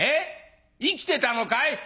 生きてたのかい？」。